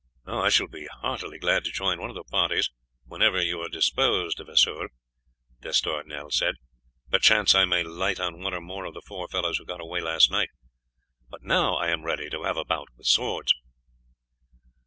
"I shall be heartily glad to join one of the parties whenever you are disposed, De Vesoul," D'Estournel said. "Perchance I may light on one or more of the four fellows who got away last night. Now I am ready to have a bout with swords."